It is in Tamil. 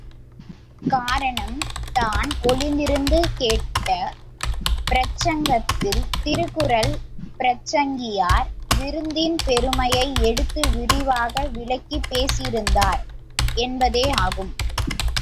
காரணம் தான் ஒளிந்திருந்து கேட்ட பிரசங்கத்தில் திருக்குறள் பிரசங்கியார் விருந்தின் பெருமையை எடுத்து விரிவாக விளக்கிப் பேசியிருந்தார் என்பதேயாகும்.